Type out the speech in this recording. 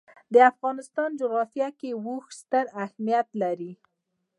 د افغانستان جغرافیه کې اوښ ستر اهمیت لري.